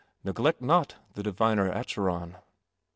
" Neglect not the diviner Acheron."